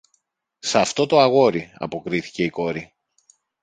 Σ' αυτό το αγόρι, αποκρίθηκε η κόρη